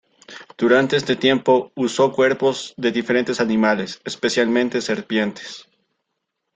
Durante este tiempo usó cuerpos de diferentes animales, especialmente serpientes.